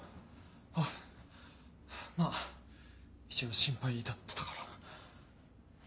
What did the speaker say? あまぁ一応心配だったから。